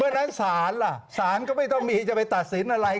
เพราะฉะนั้นศาลล่ะสารก็ไม่ต้องมีจะไปตัดสินอะไร